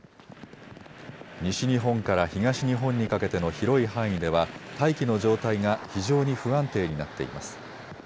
西日本から東日本にかけての広い範囲では大気の状態が非常に不安定になっています。